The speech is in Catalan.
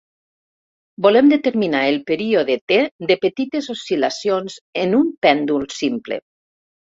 Volem determinar el període "T" de petites oscil·lacions en un pèndol simple.